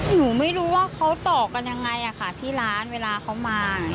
หนูไม่รู้ว่าเขาต่อกันยังไงค่ะที่ร้านเวลาเขามา